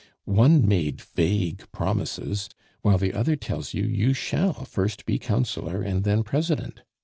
"One made vague promises, while the other tells you you shall first be Councillor and then President.